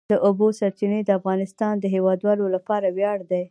د اوبو سرچینې د افغانستان د هیوادوالو لپاره ویاړ دی.